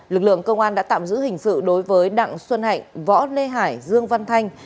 lực lượng công an đã tạm giữ hình sự đối với đặng xuân hạnh võ lê hải dương văn thanh